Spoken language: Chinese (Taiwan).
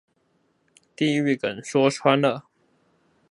地獄梗說穿了